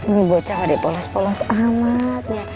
bu bocah wadih polos polos amat